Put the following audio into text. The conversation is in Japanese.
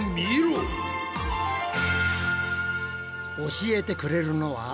教えてくれるのは。